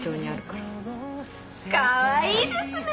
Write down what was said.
かわいいですね！